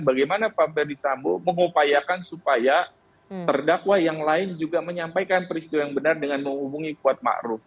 bagaimana pak ferdisambo mengupayakan supaya terdakwah yang lain juga menyampaikan peristiwa yang benar dengan menghubungi kuat makruh